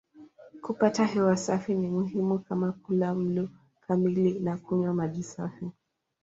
Kupata hewa safi ni muhimu kama kula mlo kamili na kunywa maji safi.